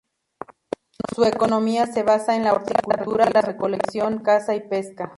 Su economía se basa en la horticultura, la recolección, caza y pesca.